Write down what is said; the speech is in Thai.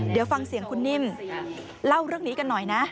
เดี๋ยวฟังเสียงคุณนิ่มเล่าเรื่องนี้กันหน่อยนะ